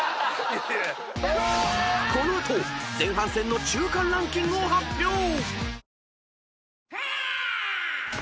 ［この後前半戦の中間ランキングを発表］